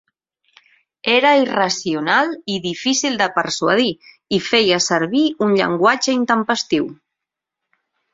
Era irracional i difícil de persuadir i feia servir un llenguatge intempestiu.